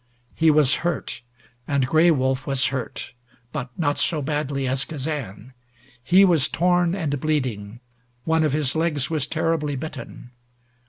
He was hurt. And Gray Wolf was hurt, but not so badly as Kazan. He was torn and bleeding. One of his legs was terribly bitten.